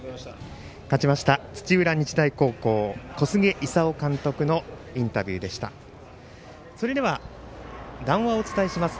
勝ちました土浦日大高校小菅勲監督のそれでは談話をお伝えします。